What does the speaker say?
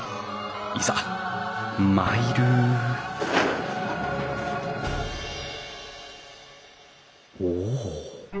いざ参るお。